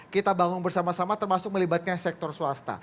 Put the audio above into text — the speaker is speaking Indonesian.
kita bangun bersama sama termasuk melibatkan sektor swasta